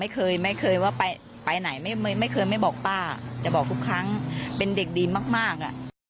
ไม่เคยไม่เคยว่าไปไหนไม่เคยไม่บอกป้าจะบอกทุกครั้งเป็นเด็กดีมาก